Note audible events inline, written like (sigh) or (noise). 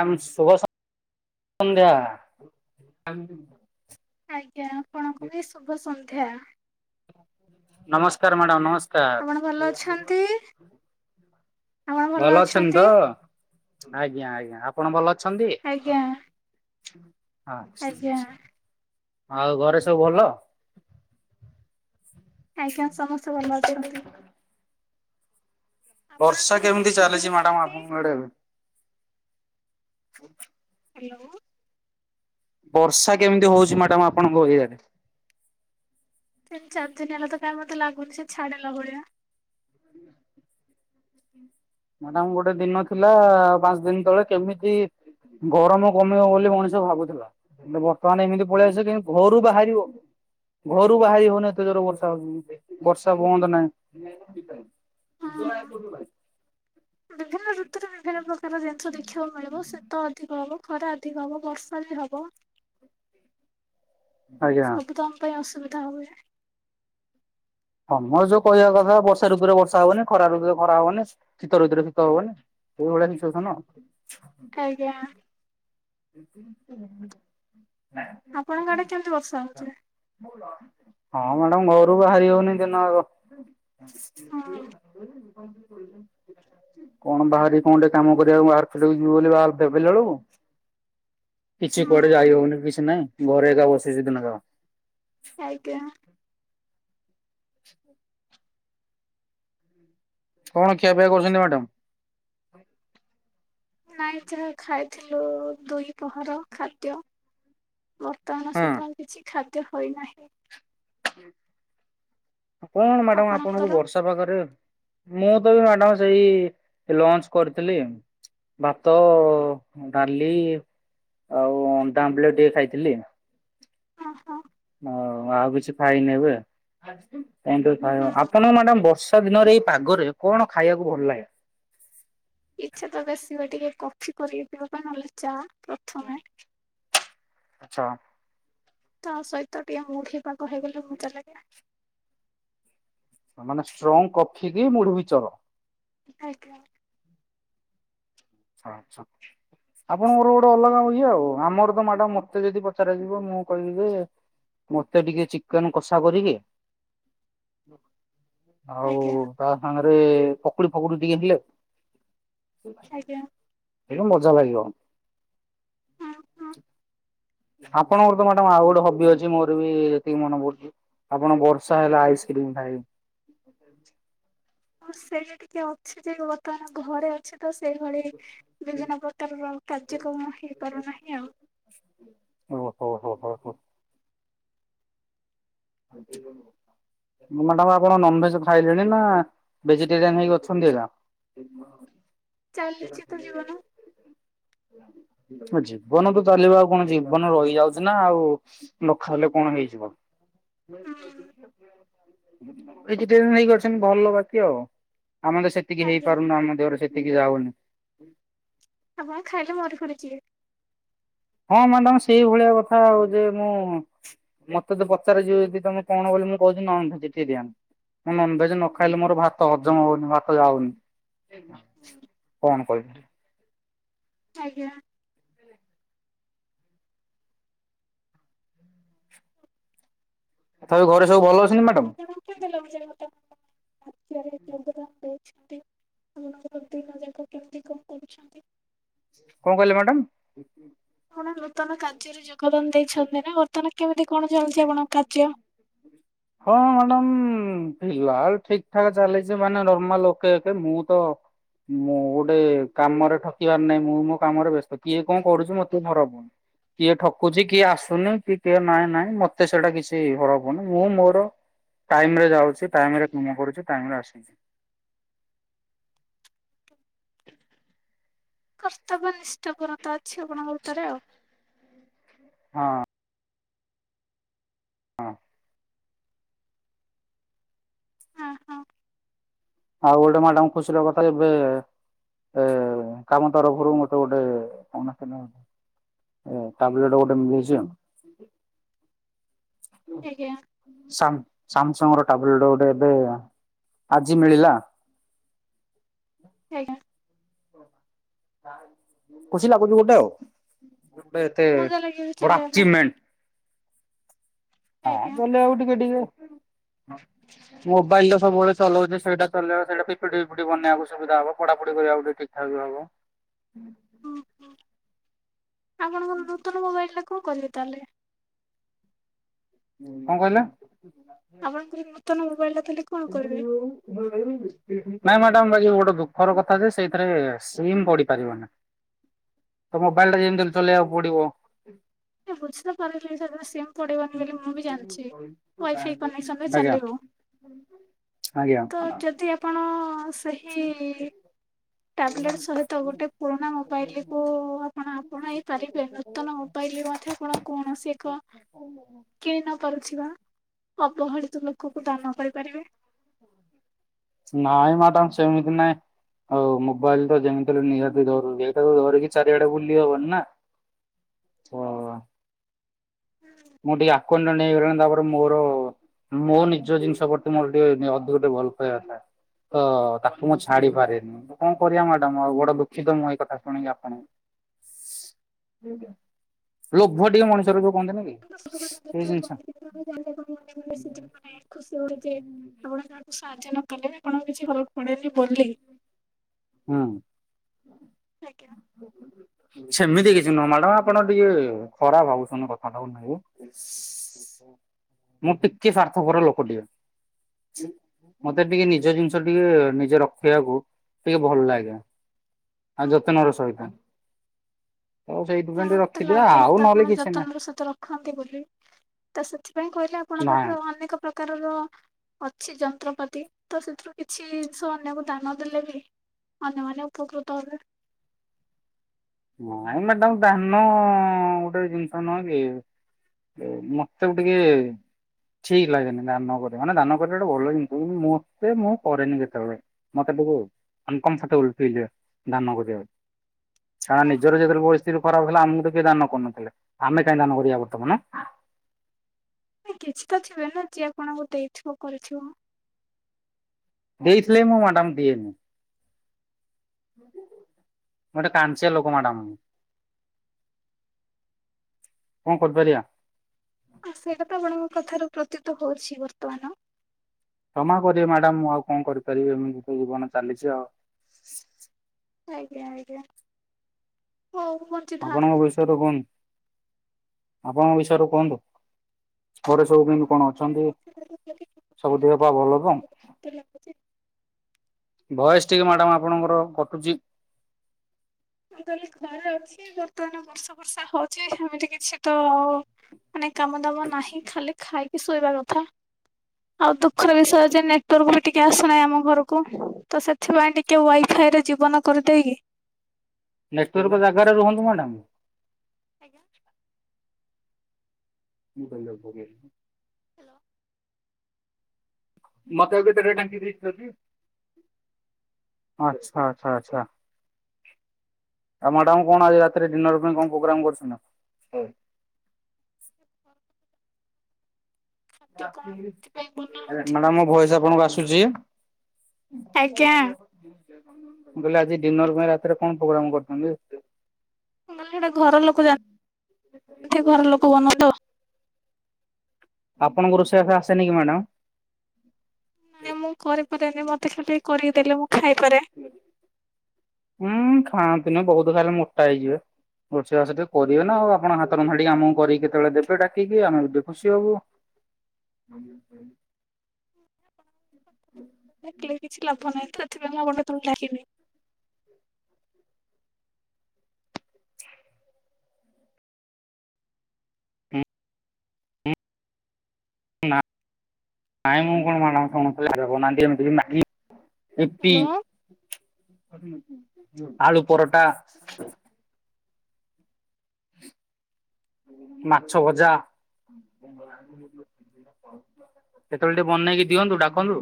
ଆମ ସୁଭଷ ସନ୍ଧ୍ୟା ଆମ ଆଜ୍ଞା ଆପଣଙ୍କୁ ବି ଶୁଭ ସନ୍ଧ୍ୟା। ନମସ୍କାର ମ୍ୟାଡ଼ାମ ନମସ୍କା ଆପଣ ଭଲ ଅଛନ୍ତି ଆପଣ ଭଲ ଅଛନ୍ତି। ଆଜ୍ଞା ଆଜ୍ଞା ଆପଣ ଭଲ ଅଛନ୍ତି। ଆଜ୍ଞା। ହଁ ଆଜ୍ଞା ଆଉ ଘରେ ସବୁ ଭଲ। ଆଜ୍ଞା ସମସ୍ତେ ଭଲ ଅଛନ୍ତି। ଆପଣଙ୍କ ବର୍ଷା ଘରେ କେମିତି ସମସ୍ତେ ଭଲ ଚାଲିଛି ମ୍ୟାଡାମ ଅଛନ୍ତି? ଆପଣଙ୍କ ଆଡେ ଏବେ। ହ୍ୟାଲୋ। ବର୍ଷା କେମିତି ହଉଛି ମ୍ୟାଡାାମ ଆପଣଙ୍କ ଏରିଆରେ। ତିନି ଚାରି ଦିନି ହେଲା ତ କାଇଁ ମୋତେ ଲାଗୁଛି ଛାଡ଼ିଲା ଭଳିଆ। ମ୍ୟାଡ଼ାମ୍ ଗୋଟେ ଦିନ ଥିଲା ପାଞ୍ଚ ଦିନି ତଳେ କେମିତି ଗରମ କମିବ ବୋଲି ମଣିଷ ଭାବୁଥିଲା। କିନ୍ତୁ ବର୍ତ୍ତମାନ ଏମିତି ପଳେଇଆସିଚି କି କିନ୍ତୁ ଘରୁ ବାହାରିହଉନି। ଘରୁ ବାହାରି ହଉନି ଏତେ ଜୋର ବର୍ଷା ହଉଛି ବର୍ଷା ବନ୍ଦ ନାହିଁ। ହଁ (unintelligible) ବିଭିନ୍ନ ଋତୁରେ ବିଭିନ୍ନ ପ୍ରକାର ଜିନିଷ ଦେଖିବାକୁ ମିଳିବ ଶୀତ ଅଧିକ ହେବ। ଖରା ଅଧିକ ହବ ବର୍ଷା ବି ହବ। ଆଜ୍ଞା। ସବୁ ତମ ପାଇଁ ଅସୁବିଧା ହୁଏ। ତମର ଯୋଉ କହିବା କଥା ବର୍ଷାଋତୁରେ ବର୍ଷା ହବନି ଖରା ଋତୁରେ ଖରା ହବନି ଶୀତ ଋତୁରେ ରେ ଶୀତ ହବନି। ଏଇ ଭଳିଆ ସିଚ୍ୟୁଏସନ୍। ଆଜ୍ଞା। (inaudible) ଆପଣଙ୍କ ଆଡ଼େ କେମିତି ବର୍ଷା ହେଉଛି? ହଁ ମ୍ୟାଡ଼ାମ୍ ଘରୁ ବାହାରି ହଉନି ଦିନ ଯାକ। ହଁ (inaudible) କଣ ବାହାରି କଣ ଟେ କାମ କରିବାକୁ ବାହାରି (unintelligible) ଯିବୁ ବୋଲି ବାହାରି ଥିଲା ବେଳକୁ କିଛି କୁଆଡ଼େ ହଁ ଯାଇ ହଉନି କିଛି ନାଇଁ ଘରେ ଏକା ବସିଚି ଦିନ ଯାକ। ଆଜ୍ଞା। ହ କଣ ଖିଆପିଆ କରୁଚନ୍ତି ମ୍ୟାଡ଼ାମ୍? ନାଇ ଯାହା ଖାଇଥିଲୁ ଦୁଇ ପହର ଖାଦ୍ୟ। ବର୍ତ୍ତମାନ ହଁ ସୁଦ୍ଧା କିଛି ଖାଦ୍ୟ ହୋଇନାହିଁ। କଣ ମ୍ୟାଡ଼ାମ୍ ଆପଣଙ୍କୁ ଆପଣଙ୍କର ବର୍ଷ ପାଗରେ ମୁଁ ତ ବି ମ୍ୟାଡ଼ାମ୍ ସେଇ ଲଞ୍ଚ କରିଥିଲି। ଭାତ, ଡ଼ାଲି ଆଉ ଅଣ୍ଡା ଆମ୍ବଲେଟ୍ ଟିକେ ଖାଇଥିଲି। ହଁ ହଁ। ହଉ ଆଉ କିଛି ଖାଇନି ଏବେ (unintelligible) ହୁଁ ଆପଣ ମ୍ୟାଡ଼ାମ୍ ବଷ ବର୍ଷା ଦିନରେ ଏଇ ପାଗରେ କଣ ଖାଇବାକୁ ଭଲ ଲାଗେ? ଇଚ୍ଛା ତ ବେଶୀ ହୁଏ ଟିକେ କଫି କରିକି ପିଇବା ପାଇଁ ନହେଲେ ଚା। ପ୍ରଥମେ ଆଚ୍ଛା। ତା ସହିତ ଟିକେ ମୁଢ଼ି ପାଗ ହେଇଗଲେ ମଜା ଲାଗେ। ମାନେ ଷ୍ଟ୍ରଙ୍ଗ କଫି କି ମୁଢ଼ି‌ ମିକ୍ସଚର। ଆଜ୍ଞା। ହଁ (unintelligible) ଆପଣଙ୍କର ଗୋଟେ ଅଲଗା ହୁଏ ଆଉ ଆମର ତ ମ୍ୟାଡା଼ମ ମତେ ଯଦି ପଚାର ଯିବ ମୁଁ କହିବି ଯେ ମତେ ଟିକେ ଚିକେନ୍ କଷା କରିକି ଆଉ ଆଜ୍ଞା ତା ସାଙ୍ଗରେ ପକୁଡ଼ି ଫକୁଡ଼ି ଟିକେ ହେଲେ ଆଜ୍ଞା। ମଜା ଲାଗିବ। ହୁଁ ହୁଁ ଆପଣଙ୍କର ତ ମ୍ୟାଡା଼ମ ଆଉ ଗୋଟେ ହବି ଅଛି ମୋର ବି ଯେତିକି ମନେ ପଡୁଛି। ଆପଣ ବର୍ଷା ହେଲେ ଆଇସ୍କ୍ରିମ୍ ଖାଇ ହଁ ସେଇଟା ଟିକେ ଅଛି ଯେ ବର୍ତ୍ତମାନ ଘରେ ଅଛି। ତ ସେଇଭଳି ବିଭିନ୍ନ ପ୍ରକାରର କାର୍ଯ୍ୟକ୍ରମ ହେଇପାରୁନାହିଁ ଆଉ। ଓ ହୋ ହୋ। ଓ ହୋ। (unintelligible) ମ୍ୟାଡ଼ାମ୍ ଆପଣ ନନଭେଜ୍ ଖାଇଲେଣି ନା ଭେଜିଟେରିଆନ୍ ହେଇକି ଅଛନ୍ତି? (unintelligible) ଚାଲିଛି ତ ଜୀବନ (unintelligible) ହଁ ଜୀବନ ତ ଚାଲିବା ଆଉ କଣ ଜୀବନ ରହିଯାଉଛି ନା ଆଉ। ନଖାହଲେ କଣ ହେଇଯିବ? (unintelligible) ହୁଁ ବାକି ଆଉ ଆମ ତ ସେତିକି ଆଜ୍ଞା ହେଇପାରୁନ ଆମ ଦେହରେ ସେକି ଟିକି ଯାଉନି। ଆପଣ ଖାଇଲେ ମରି ଫୁଛିିବେ। ହଁ ମ୍ୟାଡାମ ସେଇଭଳିଆ କଥା ଆଉ। ଯେ ମୁଁ ମତେ ତ ପଚାରେ ଯିବ ଯଦି ତମେ କଣ ବୋଲି ମୁଁ କହୁଛି ନନ୍ ଭେଜି ଟେରିଆନ୍। ମୁଁ ନନଭେଜ ନ ଖାଇଲେ ମୋର ଭାତ ହଜମ ହଉନି ଭାତ ଯାଉନି। କଣ କହିଲି? ଆଜ୍ଞା। ତଥାପି ଘରେ ସବୁ ଭଲ ଅଛନ୍ତିି ମ୍ୟାଡାମ? (unintelligible) (unintelligible) କେମିତି କଣ କରୁଛନ୍ତି? କଣ କହିଲେ ମ୍ୟାଡ଼ାମ? (unintelligible) ଆପଣ ନୂତନ କାର୍ଯ୍ୟରେ ଯୋଗଦାନ ଦେଇଛନ୍ତି ନା ବର୍ତ୍ତମାନ କେମିତି କଣ ଚାଲିଛି ଆପଣଙ୍କ କାର୍ଯ୍ୟ? ହଁ ମ୍ୟାଡାମ ଫିଲାଲ ଠିକ ଠାକ ଚାଲିଛି ମାନେ ନର୍ମାଲ ଓକେ ମୁଁ ତ ମୁଁ ଗୋଟେ କାମରେ ଠକିବାର ନାହିଁ ମୁଁ ମୋ କାମରେ ବ୍ୟସ୍ତ କିଏ କଣ କରୁଛି ମତେ ଫରକ ପଡୁନି। କିଏ ଠକୁଛି, କିଏ ଆସୁନି, କି କିଏ ନାହିଁ ନାହିଁ ମତେ ସେଇଟା କିଛି ଫରକ୍ ପଡୁନି, ମୁଁ ମୋର ର ଟାଇମରେ ଯାଉଛି, ଟାଇମ ରେ କାମ କରୁଛି, ଟାଇମ ରେ ଆସୁଛି। କର୍ତ୍ତବ୍ୟ ନିିଷ୍ଠପରତା ଅଛି ଆପଣଙ୍କ ଭିତରେ ଆଉ। ହଁ। ହଁ। ଓ ହଁ। ଆଉ ଗୋଟେ ମ୍ୟାଡାମ ଖୁସିିର କଥା ଏବେ ଏ କାମ ତରଫରୁ ମୋତେ ଗୋଟେ। (unintelligible) ଏ ଟାବ୍ଲେଟ ଗୋଟେ ମିଳିଛି ଆଉ। ଆଜ୍ଞା। ସାମ୍ ସାମସଙ୍ଗ ର ଟାବଲେଟ ଗୋଟେ ଏବେ ଆଜି ମିଳିଲା। ଅଜ୍ଞା। ଖୁସି ଲାଗୁଛି ଗୋଟେ ଆଉ, ଗୋଟେ ଏତେ ମଜା ଲାଗିବ ବଡ଼ ଚଲେଇବା ପାଇଁ ଆଚିବମେଣ୍ଟ। ହଁ ଆଜ୍ଞା ଚଲେ ଆଉ ଟିକେ ଟିକେ। ମୋବାଇଲ ତ ସବୁବେଳେ ଚଲଉଚି ସେଟା ଚଲେଇ ସେଇଟା ପିପିଡି ପିପିଡି ବନାଇବାକୁ ସୁବିଧା ହବ। ପଢାଢଡିି କରିବାକୁ ଟିକେ ଠାକ୍ ବି ହବ। ଓ ହୋ ଆପଣଙ୍କର ନୂତନ ମୋବାଇଲ ଟା କଣ କରିବେ ତାହେଲେ? କଣ କହିଲେ? ଆପଣଙ୍କ ନୂତନ ମୋବାଇଲ ଟା ତାହେଲେ କଣ କରିବେ? (unintelligible) ନାଇଁ ମ୍ୟାଡାମ ଗୋଟେ ଦୁଃଖର କଥା ଯେ ସେଇଥିରେ ସିମ୍ ପଡି ପାରିବନି। ତ ମୋବାଇଲଟା ଯେମିତି ହେଲେ ଚଲେଇବାକୁ ପଡ଼ିବ। ବୁଝି ତ ପାରୁିଲି ସେଥିରେ ସିମ୍ ପଡ଼ିବନି ବୋଲି ମୁଁ ବି ଜାଣିଛି। ୱାଇଫାଇ କନେକ୍ସନରେ ଆଜ୍ଞା ଚାଲିବ। ଆଜ୍ଞା। ତ ଯଦି ଆପଣ ସେହି ଟାବଲେଟ୍ ସହିତ ଗୋଟେ ପୁରୁଣା ମୋବାଇଲକୁ ଆପଣ ଆପଣେଇ ପାରିବେ? ନୂତନ ମୋ ବାଇଲ ମଧ୍ୟ ଆପଣ କୌଣସି ଏକ କିଣି ନ ପାରୁଥିବା ଅବହଳି ତ ଲୋକକୁ ଦାନ କରିପାରିବେ। ନାଇଁ ମ୍ୟାଡ଼ାମ ସେମିତି ନାଇଁ। ଆଉ ମୋବାଇଲ ତ ଯେମିତି ହେଲେ ନିହାତି ଜରୁରୀ ଏଇଟାକୁ ଧରିକି ଚାରିଆଡେ ବୁଲି ହବନି ନା। ତ ମୁଁ ଟିକେ ଆକ୍ଵାଟେଣ୍ଟ ହେଇଗଲିଣି ତା ପରେ ମୋର ମୋ ନିଜ ଜିନିଷ ପ୍ରତି ମୋର ଟିକେ ଅଧିକ ଟିକେ ଭଲ ପାଇବା ଥାଏ। ତ ତାକୁ ମୁଁ ଛାଡି ପାରେନି। କଣ କରିବା ମ୍ୟାଡାମ ଆଉ ବଡ ଦୁଃଖିତ ମୁଁ ଏଇ କଥା ଶୁଣିକି ଆପଣ ଲୋଭ ଟିକେ ମଣିଷର ଯୋଉ କହନ୍ତିନି କି? (inaudible) ସେଇ ଜିନିଷ। ମୁଁ ସାହାଯ୍ୟ ନ କଲେ ବି ଆପଣଙ୍କୁ କିଛି ଫରକ୍ ପଡେନି ବୋଲି। ହଁ। ଆଜ୍ଞା ସେମିତି କିଛି ନୁହଁ ମ୍ୟାଡାମ ଆପଣ ଟିକେ ଖରାପ ଭାବୁଛନ୍ତି କଥାଟାକୁ ନେଇକି। ମୁଁ ଟିକେ ସ୍ୱାର୍ଥପର ଲୋକଟିଏ। ମତେ ଟିକେ ନିଜ ଜିନିଷ ଟିକେ ନିଜେ ରଖିବାକୁ ଟିକେ ଭଲ ଲାଗେ ଆଉ ଯତ୍ନର ସହିତ। ତ ସେଇଥିପାଇଁ ନାଇଁ ଟିକେ ମତେ ରଖିଦିଅ ଲାଗେନି ଆଉ ତ ନହେଲେ ଆପଣ କିଛି ନାହିଁ ଯତ୍ନର ସହିତ ରଖନ୍ତି ବୋଲି। ତ ସେଥିପାଇଁ କହିଲି ଆପଣଙ୍କ ନାଇଁ ପାଖରେ ଅନେକ ପ୍ରକାରର ଅଛି ଯନ୍ତ୍ରପାତି ତ ସେଥିରୁ କିଛି ଜିନିଷ ଅନ୍ୟକୁ ଦାନ ଦେଲେ ବି ଅନ୍ୟମାନେ ଉପକୃତ ହେବେ। ହଁ ମ୍ୟାଡ଼ାମ ଦାନ ଅ ଗୁଟେ ଜିନିଷ ନୁହେଁ କି? ମତେ ବି ଟିକେ ଏ ଠିକ୍ ଲାଗେନି ଦାନ କରିବା ମାନେ ଦାନ କରିବାଟା ଭଲ ଜିନିଷ କିନ୍ତୁ ମତେ ମୁଁ କରେନି କେତେବେଳେ। ମତେ ଟିକେ ଅନ୍କମ୍ଫୋର୍ଟଏବୁଲ୍ ଫିଲ ହୁଏ ଦାନ କରିବାକୁ। ଛାଳା ନିଜର ଓହୋ ଯେତେବେଳେ ପରିସ୍ଥିତି ଖରାପ ଥିଲା ଆମକୁ ତ କିଏ ଦାନ କରୁନଥିଲେ ଆମେ କାହିଁ ଦାନ କରିବା ବର୍ତ୍ତମାନ। କିଛି ତ ଥିବେ ନା ଯିଏ ଆପଣଙ୍କୁ ଦେଇଥିବ କରିଥିବ। ଦେଇଥିଲେ ମୁଁ ମାଡ଼ାମ ଦିଏନି। ଗୋଟେ କାଞ୍ଚ୍ୟା ଲୋକ ମାଡ଼ାମ। କଣ କରି ପାରିବା? ଆ ସେଇଟା ତ ଆପଣଙ୍କ କଥାରୁ ପ୍ରତୀତ ହଉଛି ବର୍ତ୍ତମାନ। କ୍ଷମା କରିବେ ମ୍ୟାଡ଼ାମ ମୁଁ ଆଉ କଣ କରିପାରିବି ଏମିତି ତ ଜୀବନ ଚାଲିଚି ଆଉ। ଆଜ୍ଞା ଆଜ୍ଞା ହୋଉ ଆ ଆପଣଙ୍କ (unintelligible) (unintelligible) ଆପଣଙ୍କ ବିଷୟରେ କୁହନ୍ତୁ ଘରେ ସବୁ କେମତି? କଣ ମତେ ଅଛନ୍ତି ଲାଗୁଛି ମୁଁ ସବୁ ଦେହ ପା ଭଲ ତ? କହିଲି ଘରେ ଭଏସ୍‌ ଟିକେ ମ୍ୟାଡାମ ଆପଣଙ୍କର କଟୁଚି। ମୁଁ କହିଲି ଘରେ ଅଛି ବର୍ତ୍ତମାନ ବର୍ଷା ବର୍ଷା ହଉଛି ସେମିତି କିଛି ତ ମାନେ କାମ ଦାମ ନାହିଁ ଖାଲି ଖାଇ କି ଶୋଇବା କଥା। ଆଉ ଦୁଃଖର ବିଷୟ ଯେ ନେଟୱାର୍କ ବି ଟିକେ ଆସୁନାହିଁ ଆମ ଘରକୁ। ତ ସେଥିପାଇଁ ଟି କେ ୱାଇଫାଇଏରେ ଜୀବନ କରିଦେଇ କି ନେଟୱାର୍କ ଜାଗାରେ ରୁହନ୍ତୁ ମ୍ୟାଡ଼ାମ। ଆଜ୍ଞା। (unintelligible) ହ୍ୟାଲୋ। ମତେ ଆଉ କେତେ ଟା ଟାଙ୍କି ଦେଇଥିଲ କି? ଆଛା ଆଚ୍ଛା ଆଛା। ଆଉ ମ୍ୟାଡାମ କଣ ଆଜି ରାତିରେ ଡିନର ପାଇଁ କଣ ପ୍ରୋଗ୍ରାମ କରୁଛନ୍ତି ନା ଖାଇବାକୁ? ଘରକୁ ଖାଦ୍ୟ କଣ ଏଥିପାଇଁ ବନା ହଉଥିବ ମ୍ୟାଡ଼ାମ ମୋ ଭଏସ ଆପଣଙ୍କୁ ଆସୁଚି? ଆଜ୍ଞା ମୁଁ କହିଲି ଆଜି ଡିନର ପାଇଁ ରାତିରେ କଣ ପ୍ରୋଗ୍ରାମ କରୁଛନ୍ତି? ନାଇଁ ହେଟା ଘର ଲୋକ ଜାନ ଥି ଘର ଲୋକ ବନାଲୋ। ଆପଣଙ୍କୁ ରୋଷେଇ ବାସ ଆସେନି କି ମ୍ୟାଡ଼ାମ? ନାଇଁ ମୁଁ କରିପାରେନି ମତେ ଖାଲି କରିକି ଦେଲେ ମୁଁ ଖାଇପାରେ। ହୁଁ ଖାଆନ୍ତୁନି ବହୁତ ଖାଲି ମୋଟା ହେଇଯିବେ। ରୋଷେଇ ବାସ ଟିକେ କରିବେ ନା ଆଉ ଆପଣ ହାତରୁାଡିିକ ଆମକୁ କରିକି କେତେବେଳେ ଦେବେ ଡାକିକି ଆମେ ବି ଖୁସି ହବୁ। ଉଁ ହୁଁ। ଦେଖିଲେ କିଛି ଲାଭ ନାହିଁ ସେଥିପାଇ ମୁଁ (unintelligible) ଡାକିବି। ନାଁ ନାଇଁ ମୁଁ କଣ (unintelligible) ଇପି ହ୍ୟାଲୋ ଆଳୁ ପରଟା। ମାଛ ଭଜା। କେତେବେଳେ ଟିକେ ବନେଇକି ଦିଅନ୍ତୁ ଡାକନ୍ତୁ।